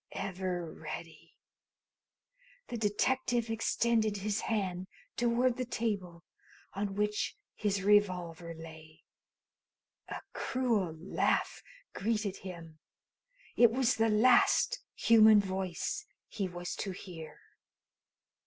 "Ever ready!" The detective extended his hand toward the table, on which his revolver lay. A cruel laugh greeted him. It was the last human voice he was to hear.